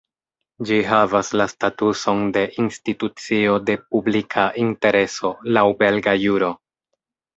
Ĝi havas la statuson de "Institucio de Publika Intereso", laŭ belga juro.